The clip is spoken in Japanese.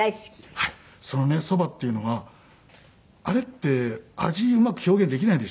そのねそばっていうのはあれって味うまく表現できないでしょ？